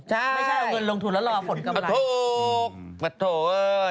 ใช่ประโทษประโทษ